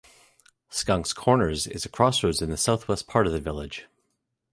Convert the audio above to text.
Skunks Corners is a crossroads in the southwest part of the village.